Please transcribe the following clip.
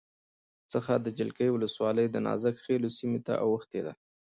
څخه د جلگې ولسوالی دنازک خیلو سیمې ته اوښتې ده